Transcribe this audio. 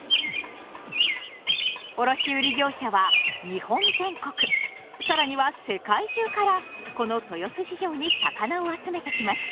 卸売業者は日本全国更には世界中からこの豊洲市場に魚を集めてきます。